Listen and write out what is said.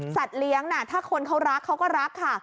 เลี้ยงถ้าคนเขารักเขาก็รักค่ะ